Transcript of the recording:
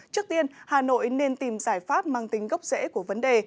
trước tiên hà nội nên tìm giải pháp mang tính gốc rễ của vấn đề